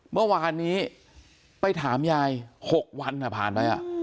เมื่อวานนี้ไปถามยาย๖วันผ่านไป